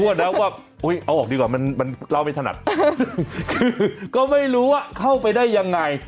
ว่าเอาออกดีกว่ามันมันเล่าไม่ถนัดคือก็ไม่รู้ว่าเข้าไปได้ยังไง